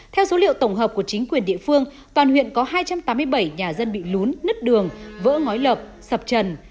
theo số liệu tổng hợp của chính quyền địa phương toàn huyện có hai trăm tám mươi bảy nhà dân bị lún nứt đường vỡ ngói lợp sập trần